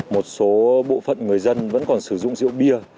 một số bộ phận người dân vẫn còn sử dụng rượu bia